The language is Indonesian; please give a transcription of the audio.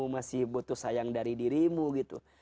masih butuh sayang dari dirimu gitu